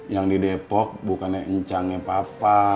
yang di depok bukan yang encangnya papa